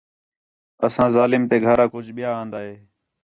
اَساں ظالم تے گھر آ کُج ٻِیا آن٘دا ہِے